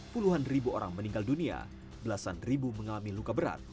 puluhan ribu orang meninggal dunia belasan ribu mengalami luka berat